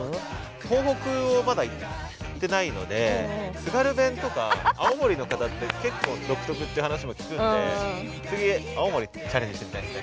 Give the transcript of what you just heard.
東北をまだ行ってないので津軽弁とか青森の方って結構独特っていう話も聞くんで次青森チャレンジしてみたいですね。